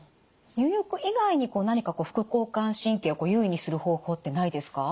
入浴以外に何か副交感神経を優位にする方法ってないですか？